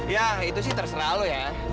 ya itu sih terserah lu ya